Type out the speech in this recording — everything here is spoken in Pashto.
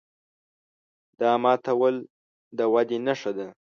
دا ماتول د ودې نښه ده.